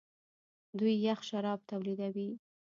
دوی یخ شراب تولیدوي.